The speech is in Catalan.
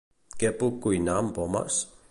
Què puc cuinar amb pomes?